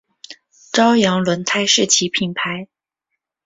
朝阳轮胎是其品牌。